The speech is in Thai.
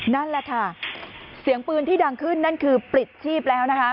นั่นแหละค่ะเสียงปืนที่ดังขึ้นนั่นคือปลิดชีพแล้วนะคะ